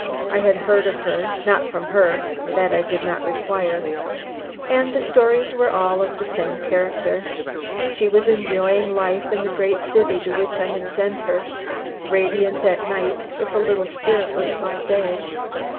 I had heard of her; not from her that I did not require; and the stories were all of the same character. She was enjoying life in the great city to which I had sent her; radiant at night, if a little spiritless by day.